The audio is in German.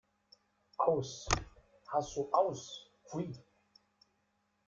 Aus! Hasso Aus! Pfui!